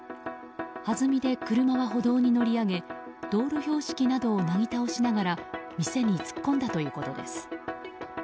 はずみで車は歩道に乗り上げ道路標識などをなぎ倒しながら店に突っ込んだということです。